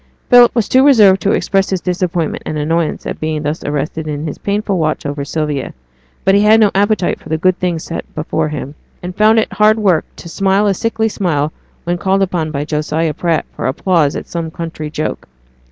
Philip was too reserved to express his disappointment and annoyance at being thus arrested in his painful watch over Sylvia; but he had no appetite for the good things set before him, and found it hard work to smile a sickly smile when called upon by Josiah Pratt for applause at some country joke.